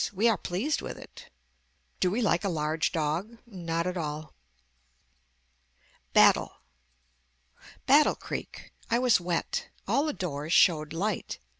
We are pleased with it. Do we like a large dog. Not at all. BATTLE Battle creek. I was wet. All the doors showed light.